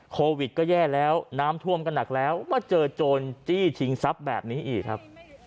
โควิดก็แย่แล้วน้ำท่วมก็หนักแล้วมาเจอโจรจี้ชิงทรัพย์แบบนี้อีกครับ